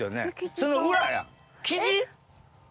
その裏や！